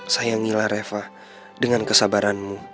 sayangilah reva dengan kesabaranmu